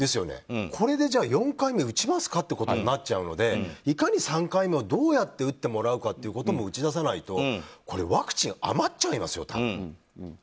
これで４回目打ちますかってことになっちゃうのでいかに３回目をどうやって打ってもらうかも打ち出さないとこれ、ワクチン余っちゃいますよ。